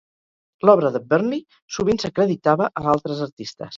L'obra de Burnley sovint s'acreditava a altres artistes.